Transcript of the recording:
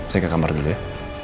saya ke kamar dulu ya